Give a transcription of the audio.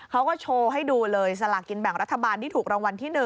เขาก็โชว์ให้ดูเลยสลากินแบ่งรัฐบาลที่ถูกรางวัลที่๑